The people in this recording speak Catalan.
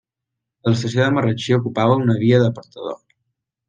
A l'estació de Marratxí ocupava una via d'apartador.